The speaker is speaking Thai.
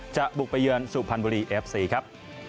จะปลูกไปเยิญสวัสดีครับ